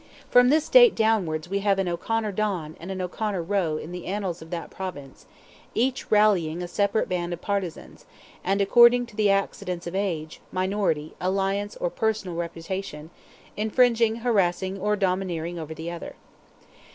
From this date downwards we have an O'Conor Don and an O'Conor Roe in the Annals of that Province, each rallying a separate band of partizans; and according to the accidents of age, minority, alliance, or personal reputation, infringing, harassing, or domineering over the other.